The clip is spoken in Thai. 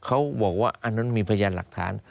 เขาบอกว่าอันนั้นมีพยานหลักฐาน